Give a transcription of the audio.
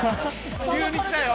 急に来たよ。